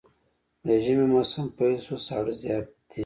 د ژمي موسم پيل شو ساړه زيات دی